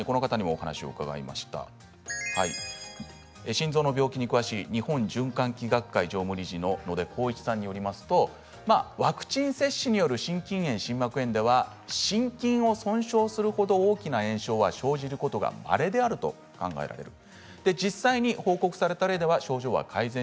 さらに心臓の病気に詳しい日本循環器学会常務理事の野出孝一さんによりますとワクチン接種による心筋炎心膜炎では心筋を損傷するほど大きな炎症は生じることがまれであると考えられる。